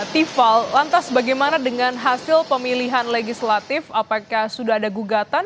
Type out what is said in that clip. tiffal lantas bagaimana dengan hasil pemilihan legislatif apakah sudah ada gugatan